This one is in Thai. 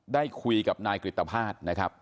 ได้คุยกับนายกริตภาษณ์นะครับ